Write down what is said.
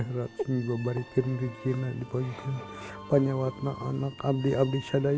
ya tuhan beri diri kita diberikan penyewatan anak anak abdi abdi syadaya